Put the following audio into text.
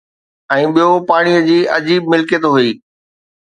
۽ ٻيو پاڻي جي عجيب ملڪيت هئي